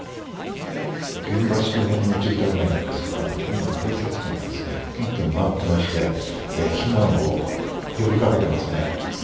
現場周辺の住宅街なんですが、今、警察官が一軒一軒回っていまして、避難を呼びかけていますね。